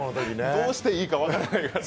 どうしていいか分からなくてね。